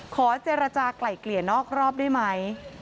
ขอเจรจากลายเกลี่ยนอกรอบได้ไหม